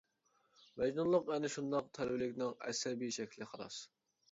مەجنۇنلۇق ئەنە شۇنداق تەلۋىلىكنىڭ ئەسەبىي شەكلى، خالاس.